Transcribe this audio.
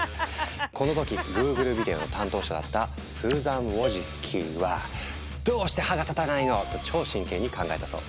この時Ｇｏｏｇｌｅビデオの担当者だったスーザン・ウォジスキは「どうして歯が立たないの？」と超真剣に考えたそう。